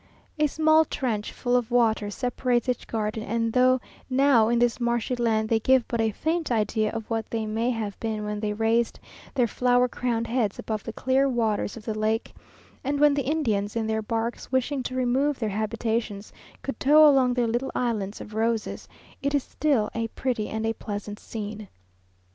A small trench full of water separates each garden; and though now in this marshy land they give but a faint idea of what they may have been when they raised their flower crowned heads above the clear waters of the lake, and when the Indians, in their barks, wishing to remove their habitations, could tow along their little islands of roses, it is still a pretty and a pleasant scene.